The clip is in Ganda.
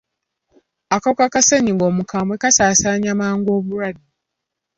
Akawuka ka ssennyiga omukwambwe kasaasaanya mangu obulwadde.